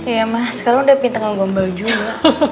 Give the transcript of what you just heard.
iya mas sekarang udah pinter ngombal juga